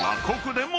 ここで］